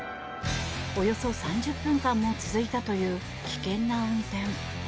およそ３０分間も続いたという危険な運転。